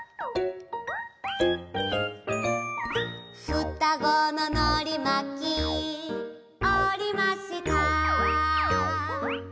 「双子ののりまきおりました」